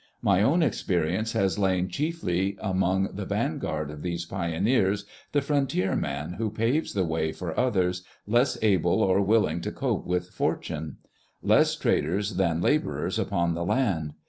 My own experience has lain chiefly among the vanguard of these pioneers, the frontier man who paves the way for others less able or willing to cope with fortune ; less traders than labourers upon the land.